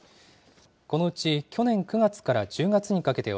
このうち去年９月から１０月にかけては、